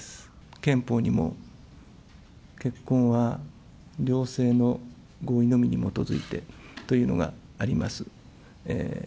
憲法にも、結婚は両性の合意のみに基づいてというのがあります。